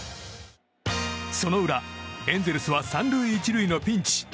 その裏、エンゼルスは３塁１塁のピンチ。